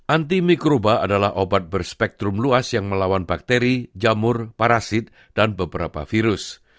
anti mikroba adalah obat berspektrum luas yang melawan bakteri jamur parasit dan beberapa virus